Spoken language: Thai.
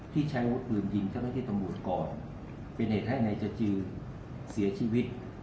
ที่ใช้วดปืนยิงเท่าที่ตำบูรณ์ก่อนเป็นเหตุให้ในจจือเสียชีวิต